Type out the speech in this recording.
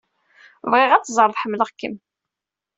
Bɣiɣ ad teẓreḍ ḥemmleɣ-kem.